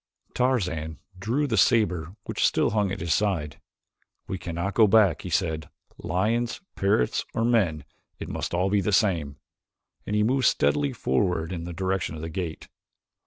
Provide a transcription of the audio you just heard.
Tarzan drew the saber which still hung at his side. "We cannot go back," he said. "Lions, parrots, or men, it must be all the same," and he moved steadily forward in the direction of the gate.